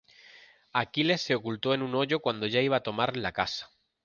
Aquiles se ocultó en un hoyo cuando ya iban a tomar la casa.